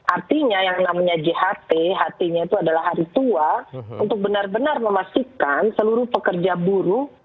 artinya yang namanya jht ht nya itu adalah hari tua untuk benar benar memastikan seluruh pekerja buruh